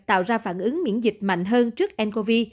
tạo ra phản ứng miễn dịch mạnh hơn trước ncov